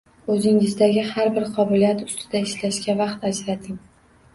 O’zingizdagi har bir qobiliyat ustida ishlashga vaqt ajrating